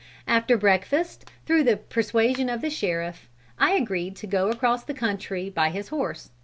After breakfast, through the persuasion of the sheriff, I agreed to go across the country by his house.